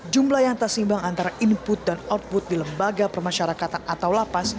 jumlah yang tersimbang antara input dan output di lembaga pemasyarakatan atau lapas